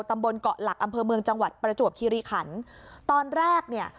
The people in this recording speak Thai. ตำบลเกาะหลักอำเภอเมืองจังหวัดประจวบคิริขันตอนแรกเนี่ย